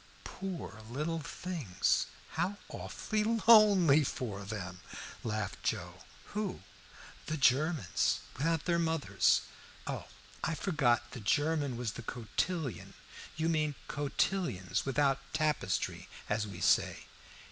"Poor little things, how awfully lonely for them!" laughed Joe. "Who?" "The Germans without their mothers. Oh, I forgot the German was the cotillon. You mean cotillons, without tapestry, as we say."